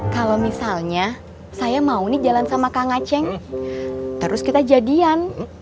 kalau misalnya saya mau nih jalan sama kang aceh terus kita jadian